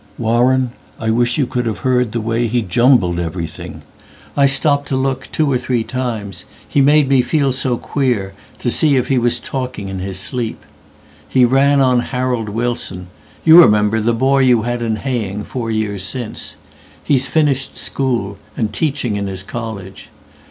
Warren, I wish you could have heard the wayHe jumbled everything. I stopped to lookTwo or three times—he made me feel so queer—To see if he was talking in his sleep. He ran on Harold Wilson—you remember—The boy you had in haying four years since. He's finished school, and teaching in his college.